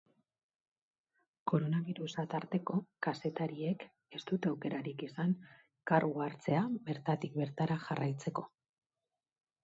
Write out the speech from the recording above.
Koronabirusa tarteko, kazetariek ez dute aukerarik izan kargu hartzea bertatik bertara jarraitzeko.